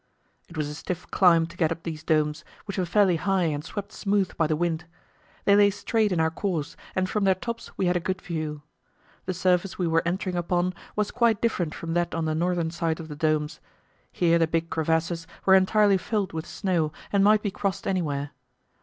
It was a stiff climb to get up these domes, which were fairly high and swept smooth by the wind. They lay straight in our course, and from their tops we had a good view. The surface we were entering upon was quite different from that on the northern side of the domes. Here the big crevasses were entirely filled with snow and might be crossed anywhere.